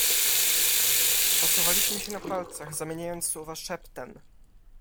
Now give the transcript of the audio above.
"Posuwaliśmy się na palcach, zamieniając słowa szeptem."